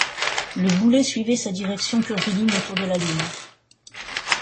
Le boulet suivait sa direction curviligne autour de la Lune.